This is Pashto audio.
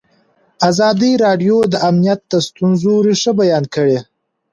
ازادي راډیو د امنیت د ستونزو رېښه بیان کړې.